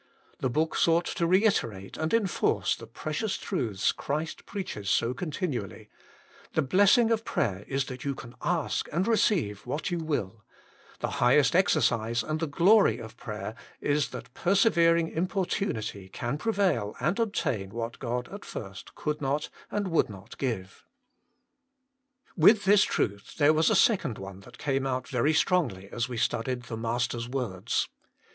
The book sought to reiterate and enforce the precious truths Christ preaches so continually : the blessing of prayer is that you can ask and receive what you will : the ^ highest exercise and the glory of prayer is that persevering importunity can prevail and obtain what God at first could not and would not give. With this truth there was a second one that came out very strongly as we studied the Master s words.